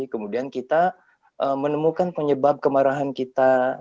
kemudian kita menemukan penyebab kemarahan kita